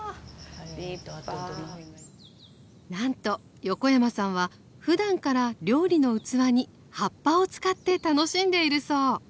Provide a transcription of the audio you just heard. なんと横山さんはふだんから料理の器に葉っぱを使って楽しんでいるそう